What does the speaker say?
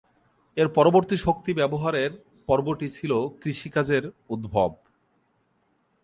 এর পরবর্তী শক্তি ব্যবহারের পর্বটি ছিল কৃষিকাজের উদ্ভব।